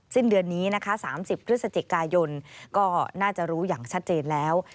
สิ้นเดือนนี้นะคะ๓๐พฤศจิกายนก็น่าจะรู้อย่างชัดเจนแล้ว